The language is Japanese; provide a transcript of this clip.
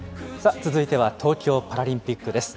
続いては東京パラリンピックです。